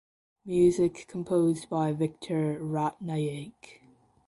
Music composed by Victor Ratnayake.